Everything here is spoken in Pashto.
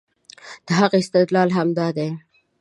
د هغې استدلال همدا دی